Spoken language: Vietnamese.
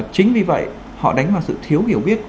chính vì vậy họ đánh vào sự thiếu hiểu biết